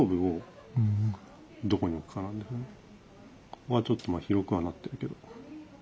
ここはちょっと広くはなってるけど。